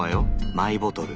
マイボトル。